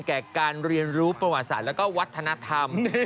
แก่การเรียนรู้ประวาษาและวัฒนธรรม